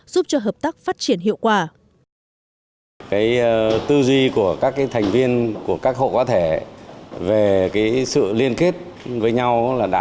giúp cho hợp tác phát triển hiệu quả